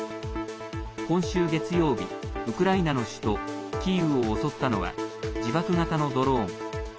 今週月曜日、ウクライナの首都キーウを襲ったのは自爆型のドローン。